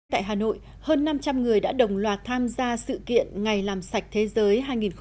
tại hà nội hơn năm trăm linh người đã đồng loạt tham gia sự kiện ngày làm sạch thế giới hai nghìn một mươi chín